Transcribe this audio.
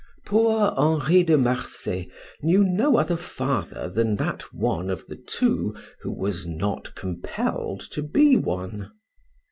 Poor Henri de Marsay knew no other father than that one of the two who was not compelled to be one.